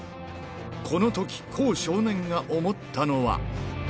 このとき、康少年が思ったのは。